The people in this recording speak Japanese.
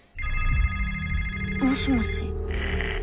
もしもし。